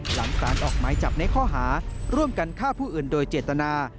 หลังสารออกหมายจับในข้อหาร่วมกันฆ่าผู้อื่นโดยเจตนา